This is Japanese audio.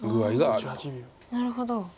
なるほど。